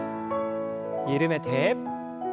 緩めて。